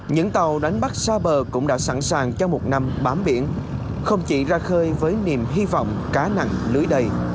những tàu đánh bắt xa bờ cũng đã sẵn sàng cho một năm bám biển không chỉ ra khơi với niềm hy vọng cá nặng lưới đầy